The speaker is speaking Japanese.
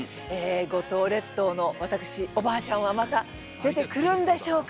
五島列島のわたくしおばあちゃんはまた出てくるんでしょうか？